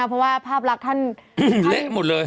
เพราะว่าภาพลักษณ์ท่านเละหมดเลย